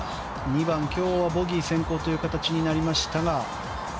２番、今日はボギー先行という形になりましたが。